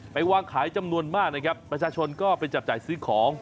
วางขายจำนวนมากนะครับประชาชนก็ไปจับจ่ายซื้อของ